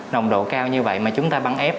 nồng độ cao như vậy mà chúng ta băng ép